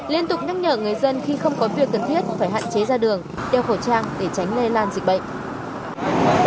liên tục nhắc nhở người dân khi không có việc cần thiết phải hạn chế ra đường đeo khẩu trang để tránh lây lan dịch bệnh